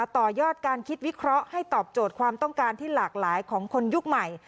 ต่อยอดการคิดวิเคราะห์ให้ตอบโจทย์ความต้องการที่หลากหลายของคนยุคใหม่